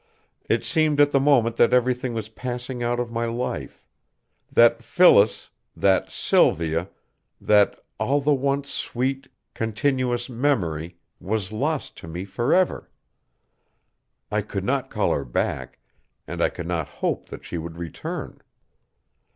It seemed at the moment that everything was passing out of my life; that Phyllis, that Sylvia, that all the once sweet, continuous memory was lost to me forever. I could not call her back, and I could not hope that she would return.